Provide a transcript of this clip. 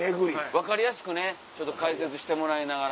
分かりやすくね解説してもらいながら。